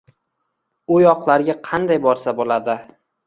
U yoqlarga qanday borsa bo‘ladi?”